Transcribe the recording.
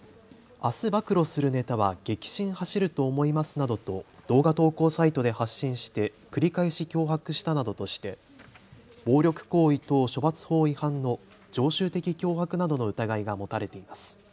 あす暴露するネタは激震走ると思いますなどと動画投稿サイトで発信して繰り返し脅迫したなどとして暴力行為等処罰法違反の常習的脅迫などの疑いが持たれています。